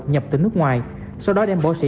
nhập từ nước ngoài sau đó đem bổ sĩ